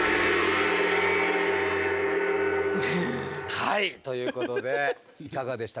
はい！ということでいかがでしたか？